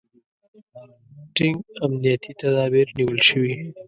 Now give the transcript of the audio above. ټینګ امنیتي تدابیر نیول شوي.